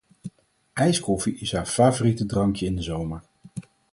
Ijskoffie is haar favoriete drankje in de zomer.